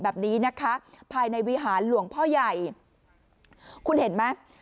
แบบนี้นะคะภายในวิหารหลวงพ่อใหญ่คุณเห็นไหม